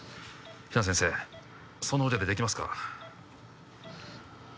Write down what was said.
比奈先生その腕でできますか？